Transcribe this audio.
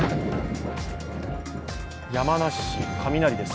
山梨市、雷です